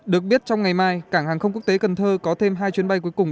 được biết trong ngày mai cảng hàng không quốc tế cần thơ có thêm hai chuyến bay cuối cùng